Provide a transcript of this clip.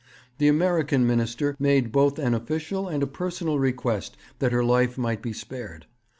The American Minister made both an official and a personal request that her life might be spared.